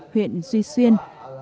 huyện duy xuyên